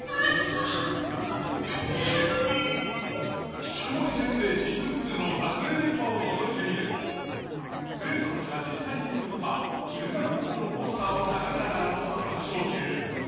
「ひきこもり先生」シーズン２の撮影現場をのぞいてみると生徒たちが実際に作った修学旅行のポスターを眺めながらの談笑中。